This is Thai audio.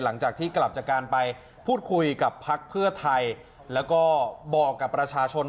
หลังจากที่กลับจากการไปพูดคุยกับพักเพื่อไทยแล้วก็บอกกับประชาชน